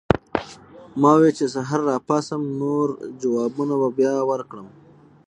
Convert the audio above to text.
ما وې چې سحر راپاسم نور جوابونه به بیا ورکړم